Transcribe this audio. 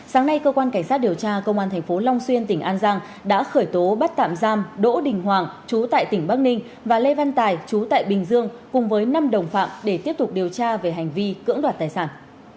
sáng nay cơ quan cảnh sát điều tra công an thành phố long xuyên tỉnh an giang đã khởi tố bắt tạm giam đỗ đình hoàng chú tại tỉnh bắc ninh và lê văn tài chú tại bình dương cùng với năm đồng phạm để tiếp tục điều tra về hành vi cưỡng đoạt tài sản